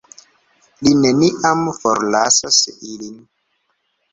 Li neniam forlasos ilin.